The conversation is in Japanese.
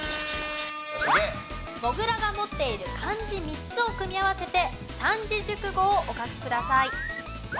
モグラが持っている漢字３つを組み合わせて三字熟語をお書きください。